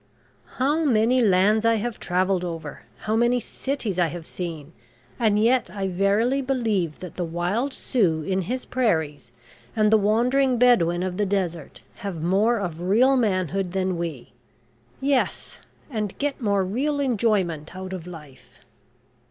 How many lands I have travelled over, how many cities I have seen, and yet I verily believe that the wild Sioux in his prairies, and the wandering Bedouin of the desert, have more of real manhood than we. Yes; and get more real enjoyment out of life."